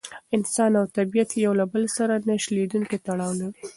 انسان او طبیعت یو له بل سره نه شلېدونکی تړاو لري.